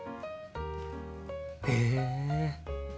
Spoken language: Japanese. へえ。